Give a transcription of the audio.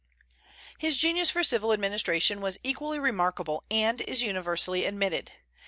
His genius for civil administration was equally remarkable, and is universally admitted.